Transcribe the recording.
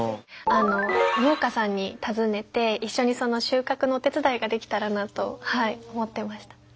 あの農家さんに訪ねて一緒にその収穫のお手伝いができたらなと思ってました。